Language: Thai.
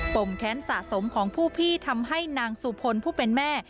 มแค้นสะสมของผู้พี่ทำให้นางสุพลผู้เป็นแม่